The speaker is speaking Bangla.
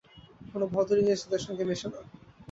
কোন ভদ্র ইংরেজ তাদের সঙ্গে মেশে না।